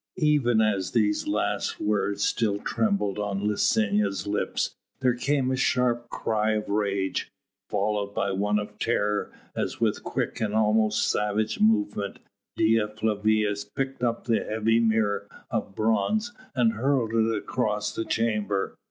'" Even as these last words still trembled on Licinia's lips there came a sharp cry of rage, followed by one of terror, as with quick and almost savage movement Dea Flavia picked up the heavy mirror of bronze and hurled it across the chamber.